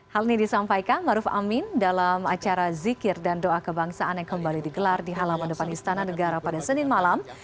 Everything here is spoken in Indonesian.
hal ini disampaikan maruf amin dalam acara zikir dan doa kebangsaan yang kembali digelar di halaman depan istana negara pada senin malam